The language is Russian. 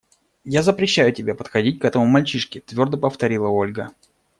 Я запрещаю тебе подходить к этому мальчишке, – твердо повторила Ольга.